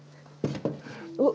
おっ。